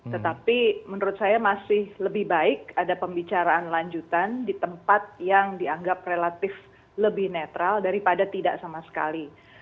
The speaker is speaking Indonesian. tetapi menurut saya masih lebih baik ada pembicaraan lanjutan di tempat yang dianggap relatif lebih netral daripada tidak sama sekali